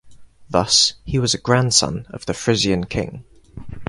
Thus, he was a grandson of the Frisian king.